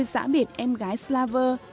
giã biệt em gái slaver